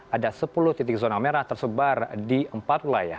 ada sepuluh titik zona merah tersebar di empat wilayah